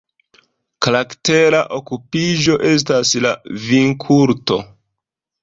Karaktera okupiĝo estas la vinkulturo.